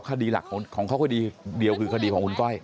คดีหลักของเขาคดีเดียวคือคดีของคุณก้อย